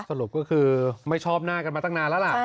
สรุปก็คือไม่ชอบหน้ากันมาตั้งนานแล้วล่ะ